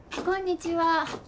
こんにちは。